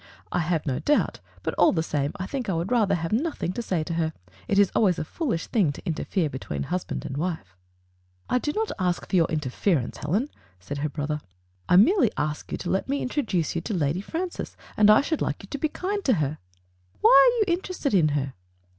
"I have no doubt, but all the same I think I would rather have nothing to say to her. It is always a foolish thing to interfere between hus band and wife." 63 Digitized by Google 64 THE FATE OF FENELLA. "I do not ask for your interference, Helen/* said her brother. "I merely ask you to let me introduce you to Lady Francis, and I should like you to be kind to her." "Why are you interested in her?"